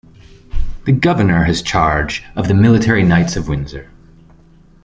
The Governor has charge of the Military Knights of Windsor.